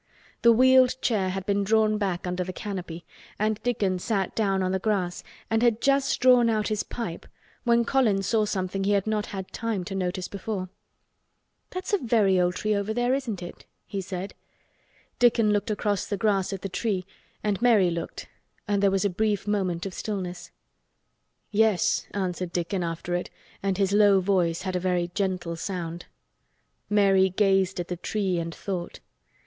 The wheeled chair had been drawn back under the canopy and Dickon had sat down on the grass and had just drawn out his pipe when Colin saw something he had not had time to notice before. "That's a very old tree over there, isn't it?" he said. Dickon looked across the grass at the tree and Mary looked and there was a brief moment of stillness. "Yes," answered Dickon, after it, and his low voice had a very gentle sound. Mary gazed at the tree and thought.